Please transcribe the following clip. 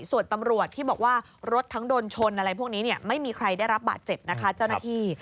ส่วนตำรวจที่บอกว่ารถทั้งโดนชนอะไรพวกนี้ไม่มีใครได้รับบาดเจ็บนะคะเจ้าหน้าที่